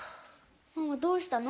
ママどうしたの？